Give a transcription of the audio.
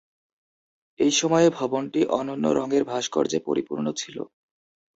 এই সময়ে ভবনটি অনন্য রঙের ভাস্কর্যে পরিপূর্ণ ছিল।